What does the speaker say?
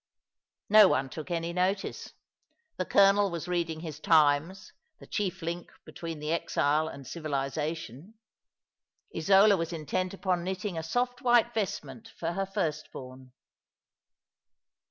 No one took any notice. The colonel was reading his Times, the chief link between the exile and civilization. Isola was intent upon knitting a soft white vestment for her firstborn.